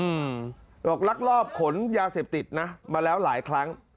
อืมออกลักลอบขนยาเสพติดนะมาแล้วหลายครั้ง